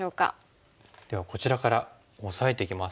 ではこちらからオサえていきます。